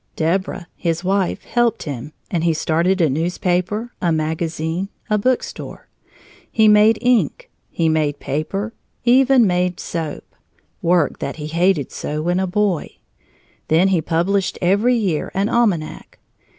Deborah, his wife, helped him, and he started a newspaper, a magazine, a bookstore; he made ink, he made paper, even made soap (work that he hated so when a boy!). Then he published every year an almanac.